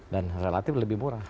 dan relatif lebih murah